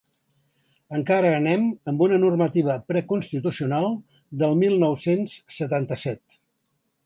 Encara anem amb una normativa preconstitucional del mil nou-cents setanta-set.